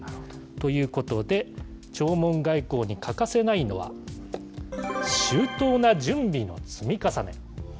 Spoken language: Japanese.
ということで、弔問外交に欠かせないのは、周到な準備の積み重ね。